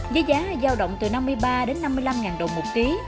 với giá giao động từ năm mươi ba đến năm mươi năm đồng một ký